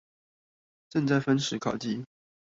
正在分食烤雞